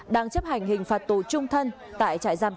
đang chấp hành hình phạt tù trung thân tại trại giam